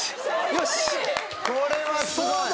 これはすごい。